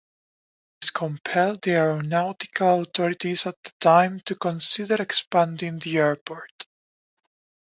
This compelled the aeronautical authorities at the time to consider expanding the airport.